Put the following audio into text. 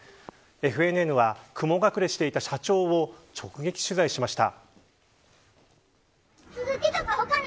ＦＮＮは、雲隠れしていた社長を直撃取材しました。